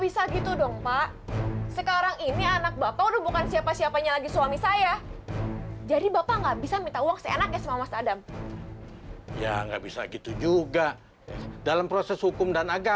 sampai jumpa di video selanjutnya